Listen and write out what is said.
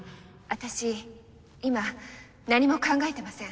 私今何も考えてません。